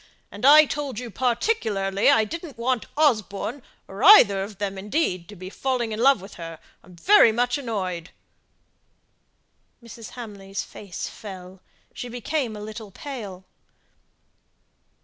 And I told you particularly I didn't want Osborne, or either of them, indeed, to be falling in love with her. I'm very much annoyed." Mrs. Hamley's face fell; she became a little pale.